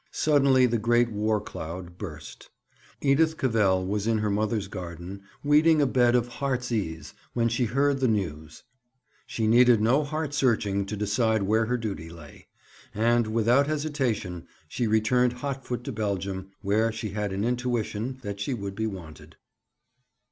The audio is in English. Suddenly the great war cloud burst. Edith Cavell was in her mother's garden weeding a bed of heartsease when she heard the news. She needed no heart searching to decide where her duty lay; and, without hesitation, she returned hotfoot to Belgium, where she had an intuition that she would be wanted.